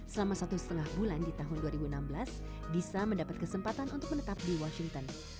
selama satu setengah bulan di tahun dua ribu enam belas disa mendapat kesempatan untuk menetap di washington